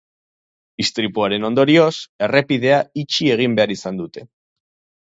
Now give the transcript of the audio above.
Istripuaren ondorioz, errepidea itxi egin behar izan dute.